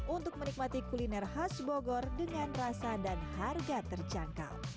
untuk menikmati kuliner khas bogor dengan rasa dan harga terjangkau